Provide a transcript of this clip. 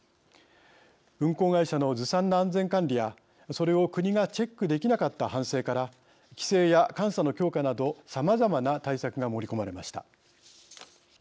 運航会社のずさんな安全管理やそれを国がチェックできなかった反省から規制や監査の強化などさまざまな対策が盛り込まれました。